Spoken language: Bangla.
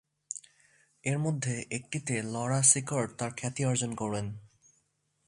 এর মধ্যে একটিতে লরা সিকর্ড তার খ্যাতি অর্জন করেন।